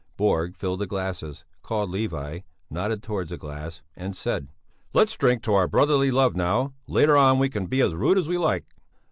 Borg filled the glasses, called Levi, nodded towards a glass, and said: "Let's drink to our brotherly love now; later on we can be as rude as we like."